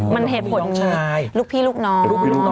มันเหตุผลของลูกพี่ลูกน้อง